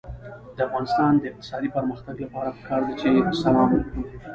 د افغانستان د اقتصادي پرمختګ لپاره پکار ده چې سلام وکړو.